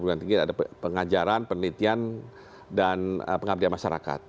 ada pengajaran penelitian dan pengabdian masyarakat